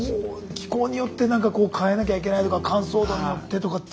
気候によってなんかこう変えなきゃいけないとか乾燥度によってとかって。